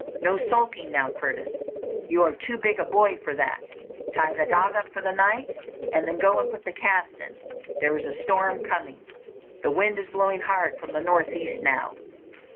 No sulking now, Curtis. You are too big a boy for that. Tie the dog up for the night and then go and put the calves in. There is a storm coming. The wind is blowing hard from the northeast now."